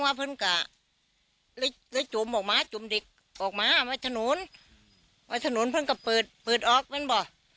ว่าเพื่อนกลับเลยจุมออกมาจุมเด็กออกมาไว้ถนนไว้ถนนเพื่อนกับเปิดเปิดออกมันบอก